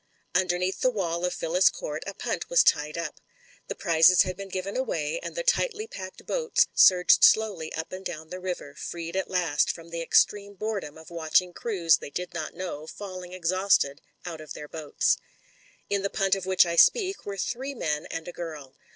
Underneath the wall of Phyllis Court a punt was tied up. The prizes had been given away, and the tightly packed boats surged slowly up and down the river, freed at last from the extreme boredom of watching crews they did not know falling exhausted out of their boats. In the punt of which I speak were three men and a girl.